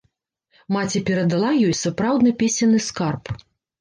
Маці перадала ёй сапраўдны песенны скарб.